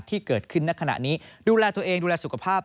ที่เกิดขึ้นในขณะนี้ดูแลตัวเองดูแลสุขภาพ